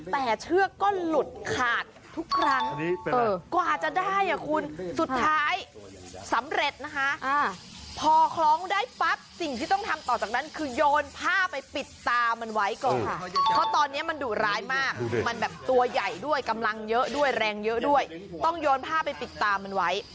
เพราะตอนนี้มันดุร้ายมากมันตัวใหญ่ด้วยต้องโยนผ้าไปปิดตามมันไว้